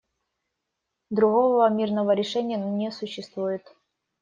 Другого мирного решения не существует.